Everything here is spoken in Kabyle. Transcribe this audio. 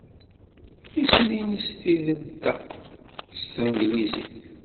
Isem-nnes tidelt-a s tanglizit?